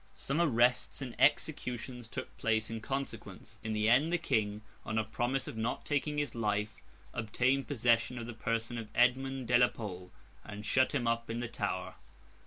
Some arrests and executions took place in consequence. In the end, the King, on a promise of not taking his life, obtained possession of the person of Edmund de la Pole, and shut him up in the Tower.